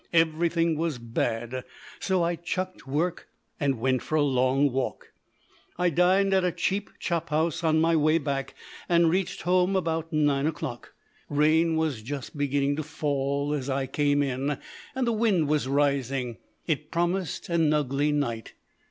Everything was bad, so I "chucked" work and went for a long walk. I dined at a cheap chop house on my way back, and reached home about nine o'clock. Rain was just beginning to fall as I came in, and the wind was rising. It promised an ugly night.